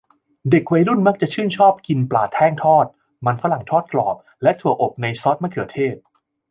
เด็กวัยรุ่นมักจะชื่นชอบกินปลาแท่งทอด มันฝรั่งทอดกรอบ และถั่วอบในซอสมะเขือเทศ